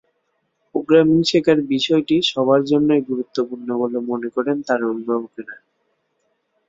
Programming শেখার বিষয়টি সবার জন্যই গুরুত্বপূর্ণ বলে মনে করেন তাঁর অভিভাবকেরা।